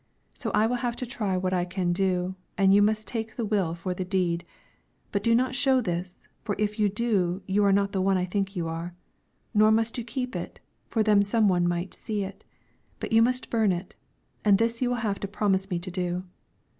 So I will have to try what I can do, and you must take the will for the deed; but do not show this, for if you do you are not the one I think you are. Nor must you keep it, for then some one might see it, but you must burn it, and this you will have to promise me to do.